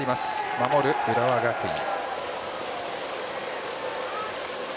守る浦和学院。